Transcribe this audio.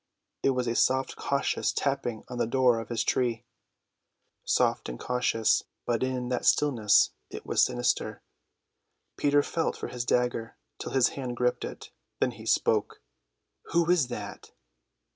It was a soft cautious tapping on the door of his tree. Soft and cautious, but in that stillness it was sinister. Peter felt for his dagger till his hand gripped it. Then he spoke. "Who is that?"